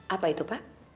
apa itu pak